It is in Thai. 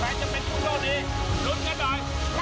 ถ้าใครจะเป็นผู้โชคดีกลุ้นกันหน่อย